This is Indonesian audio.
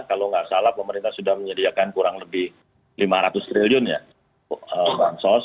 kalau nggak salah pemerintah sudah menyediakan kurang lebih lima ratus triliun ya bansos